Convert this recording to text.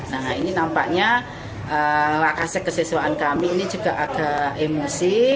nah ini nampaknya lakase keseswaan kami ini juga agak emosi